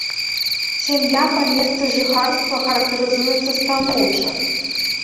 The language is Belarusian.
Сям'я па месцы жыхарства характарызуецца станоўча.